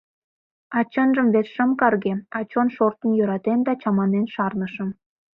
А чынжым вет шым карге, а чон шортын йӧратен да чаманен шарнышым.